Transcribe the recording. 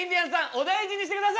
お大事にしてください！